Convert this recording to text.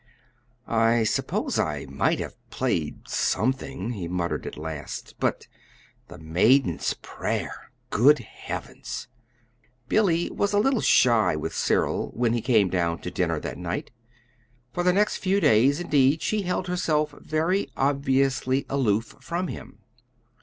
"I suppose I might have played something," he muttered at last; "but 'The Maiden's Prayer'! good heavens!" Billy was a little shy with Cyril when he came down to dinner that night. For the next few days, indeed, she held herself very obviously aloof from him.